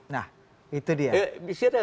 nah itu dia